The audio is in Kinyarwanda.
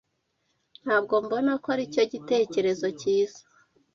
Ntabwo mbona ko aricyo gitekerezo cyiza.